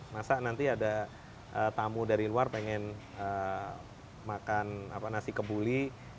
masa nanti ada tamu dari luar pengen makan nasi kebuli